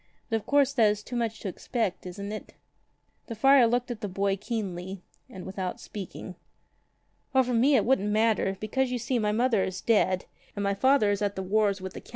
But of course that is too much to expect, isn't it?" The friar looked at the boy keenly and without speaking. "O for me it wouldn't matter, because, you see, my mother is dead, and my father is at the wars with the Count.